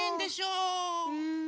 うん。